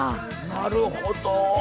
なるほど。